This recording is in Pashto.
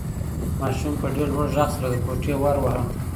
ماشوم په ډېر لوړ غږ سره د کوټې ور واهه.